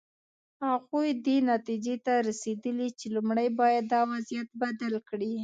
هغوی دې نتیجې ته رسېدلي چې لومړی باید دا وضعیت بدل کړي.